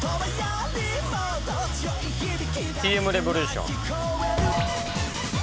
Ｔ．Ｍ．Ｒｅｖｏｌｕｔｉｏｎ。